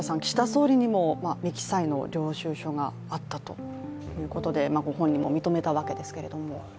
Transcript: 総理にも未記載の領収書があったということでご本人も認めたわけですけれども。